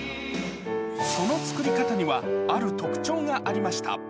その作り方には、ある特徴がありました。